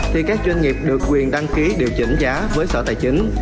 thì các doanh nghiệp được quyền đăng ký điều chỉnh giá với sở tài chính